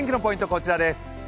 こちらです。